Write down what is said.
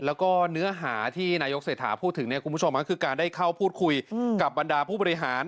แล้วก็เนื้อหาที่นายกเศรษฐาพูดถึงเนี่ยคุณผู้ชมคือการได้เข้าพูดคุยกับบรรดาผู้บริหาร